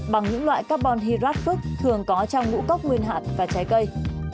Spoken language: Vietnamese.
bằng những loại carbon hydrate phức thường có trong ngũ cốc nguyên hạt và trái cây